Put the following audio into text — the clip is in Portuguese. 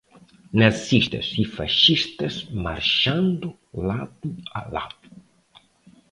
Nazistas e fascistas marchando lado a lado